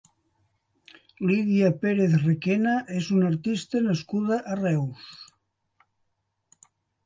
Lídia Pérez Requena és una artista nascuda a Reus.